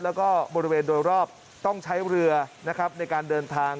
และบริเวณโดยรอบต้องใช้เรือในการเดินทาง